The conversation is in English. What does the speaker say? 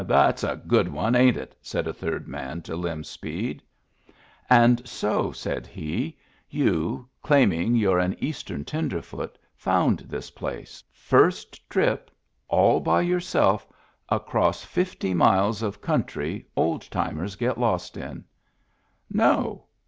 "That's a good one, ain't it?" said a third man to Lem Speed. "And so," said he, "you, claiming you're an Digitized by Google THE GIFT HORSE 195 Eastern tenderfoot, found this place, first trip, all by yourself across fifty miles of country old timers get lost in ?"" No.